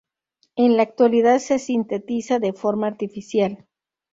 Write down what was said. En la actualidad se sintetiza de forma artificial.